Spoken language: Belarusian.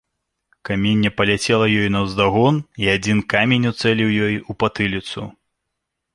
Каменне паляцела ёй наўздагон, і адзін камень уцэліў ёй у патыліцу.